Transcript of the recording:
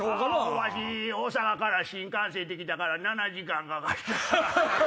わし大阪から新幹線で来たから７時間かかった。